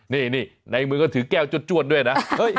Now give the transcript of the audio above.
นี่ในมือก็ถือแก้วจวดด้วยนะ